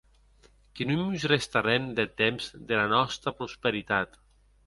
Que non mos rèste arren deth temps dera nòsta prosperitat!